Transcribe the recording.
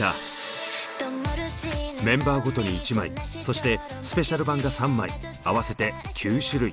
メンバーごとに１枚そしてスペシャル版が３枚合わせて９種類。